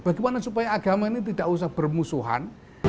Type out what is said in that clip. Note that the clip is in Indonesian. bagaimana supaya agama ini tidak usah bermusuhan